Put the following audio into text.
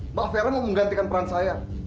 mbak vera mau menggantikan peran saya